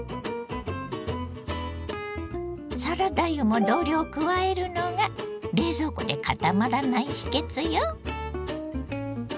サラダ油も同量加えるのが冷蔵庫でかたまらない秘けつよ。